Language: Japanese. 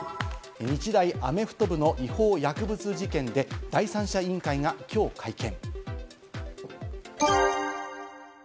日大アメフト部の違法薬物事件で第三者委員会がきょう会見。